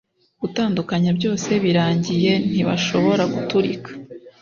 gutandukanya byose birangiye ntibashobora guturika